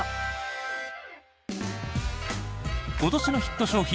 今年のヒット商品